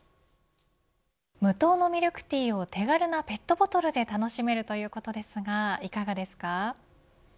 無糖のミルクティーを手軽なペットボトルで楽しめるということですがいかがですか。